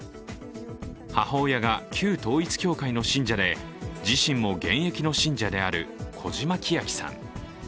母親が旧統一教会の信者で自身も現役の信者である小嶌希晶さん。